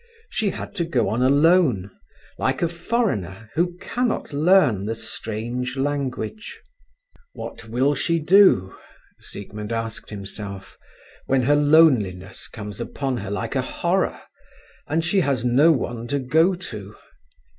She had to go on alone, like a foreigner who cannot learn the strange language. "What will she do?" Siegmund asked himself, "when her loneliness comes upon her like a horror, and she has no one to go to.